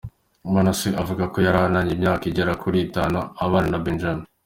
Manasse avuga ko yari amaranye imyaka igera kuri itanu abana na Benjamin.